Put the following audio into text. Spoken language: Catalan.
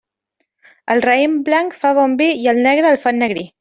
El raïm blanc fa bon vi i el negre el fa ennegrir.